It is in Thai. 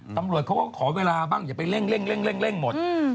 ตำรวจเขาก็ขอเวลาบ้างอย่าไปเร่งหมด